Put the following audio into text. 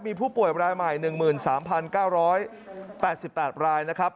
มีผู้ป่วยรายใหม่๑๓๙๘๘รายนะครับ